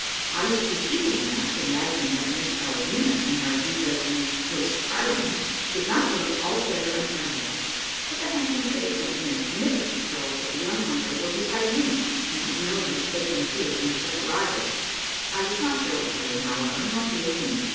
I was conceited enough to imagine that Miss Alvina, and her vis a vis, Miss Car'line, did not look altogether unfriendly; but the handsome face and magnificent curls of the young hunter were beside me; and it was no use taking the field against such a rival. I was not jealous of him, however, nor he of me.